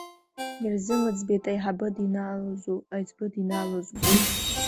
Ирзымыӡбеит аиҳабы динаалозу, аиҵбы динаалозу.